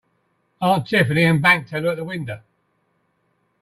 Aunt Tiffany and bank teller at the window.